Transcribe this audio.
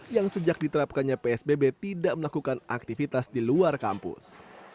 yang sejak diterapkannya psbb tidak melakukan aktivitas di luar kampus